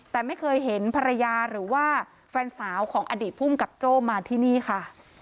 แต่ไม่เคยเห็นภรรยาหรือว่าแฟนสาวของอดีตภูมิกับโจ้มาที่นี่ค่ะ